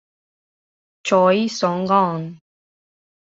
Choi Song-gon